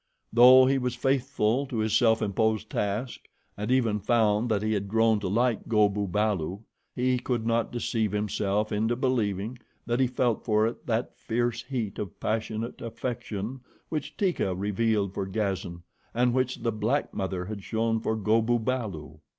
Though he was faithful to his self imposed task, and even found that he had grown to like Go bu balu, he could not deceive himself into believing that he felt for it that fierce heat of passionate affection which Teeka revealed for Gazan, and which the black mother had shown for Go bu balu.